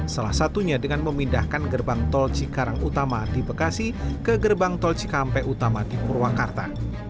salah satunya dengan memindahkan gerbang tol cikarang utama di bekasi ke gerbang tol cikampek utama di purwakarta